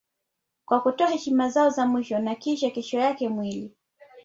Kwa kutoa heshima zao za mwisho na kisha kesho yake mwili